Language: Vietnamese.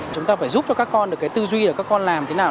chúng ta phải giúp cho các con được cái tư duy là các con làm thế nào